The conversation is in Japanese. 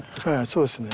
そうですね。